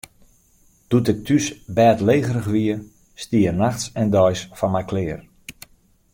Doe't ik thús bêdlegerich wie, stie er nachts en deis foar my klear.